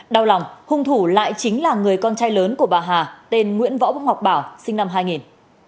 đau lòng hung thủ lại chính là người con trai lớn của bà hà tên nguyễn võ ngọc bảo sinh năm hai nghìn